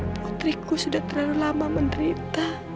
putriku sudah terlalu lama menderita